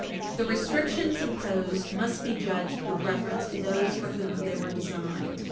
The restrictions imposed must be judged with reference to those for whom they were designed.